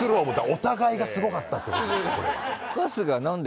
お互いがすごかったってこと。